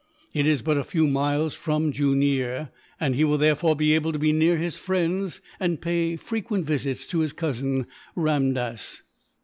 It is but a few miles from Jooneer, and he will therefore be able to be near his friends, and pay frequent visits to his cousin Ramdass."